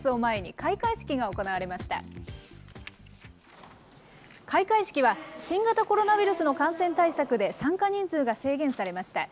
開会式は、新型コロナウイルスの感染対策で参加人数が制限されました。